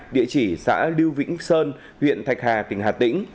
địa chỉ xã lưu vĩnh sơn huyện thạch hà tỉnh hà tĩnh